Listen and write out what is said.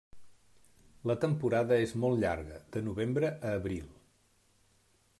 La temporada és molt llarga, de novembre a abril.